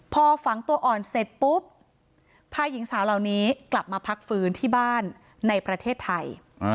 พอฝังตัวอ่อนเสร็จปุ๊บพาหญิงสาวเหล่านี้กลับมาพักฟื้นที่บ้านในประเทศไทย